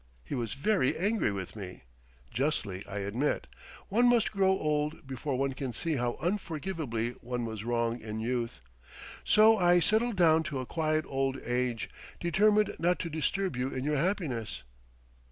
He was very angry with me justly, I admit.... One must grow old before one can see how unforgivably one was wrong in youth.... So I settled down to a quiet old age, determined not to disturb you in your happiness....